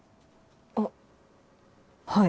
あっはい。